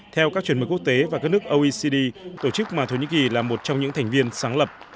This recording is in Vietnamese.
theo các chuẩn mực quốc tế và các nước oecd tổ chức mà thổ nhĩ kỳ là một trong những thành viên sáng lập